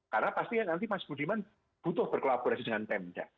karena pasti nanti mas budiman butuh berkolaborasi dengan pemda